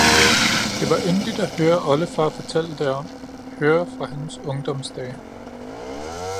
Det var yndigt at høre oldefar fortælle derom, høre fra hans ungdomsdage